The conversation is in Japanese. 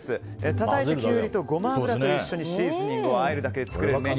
たたいたキュウリをゴマ油と一緒にシーズニングをあえるだけで作れる。